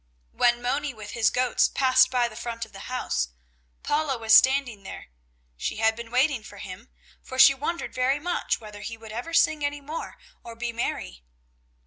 When Moni with his goats passed by the front of the house, Paula was standing there. She had been waiting for him, for she wondered very much whether he would ever sing any more or be merry.